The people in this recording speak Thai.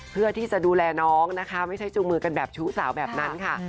เพื่อที่จะดูแลน้องนะคะไม่ใช่จูงมือกันแบบชู้สาวแบบนั้นค่ะ